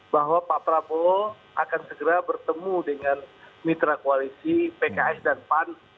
bahwa pak prabowo akan segera bertemu dengan mitra koalisi pks dan pan